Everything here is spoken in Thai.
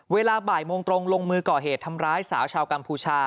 เวลาบ่ายโมงตรงลงมือก่อเหตุทำร้ายสาวชาวกัมพูชา